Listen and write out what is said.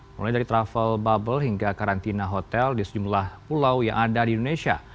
mulai dari travel bubble hingga karantina hotel di sejumlah pulau yang ada di indonesia